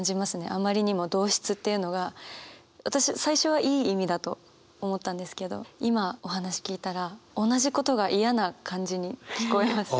「余りにも同質」っていうのが私最初はいい意味だと思ったんですけど今お話聞いたら同じことが嫌な感じに聞こえます。